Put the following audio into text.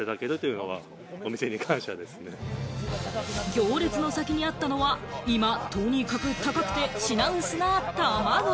行列の先にあったのは、今、とにかく高くて品薄な卵。